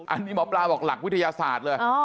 อันนี้หมอปลาบอกหลักวิทยาศาสตร์เลย